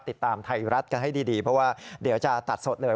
ติดตามไทยรัฐกันให้ดีเพราะว่าเดี๋ยวจะตัดสดเลย